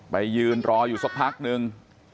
ไปยืนรออยู่สักพักนึง